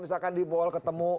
misalkan di ball ketemu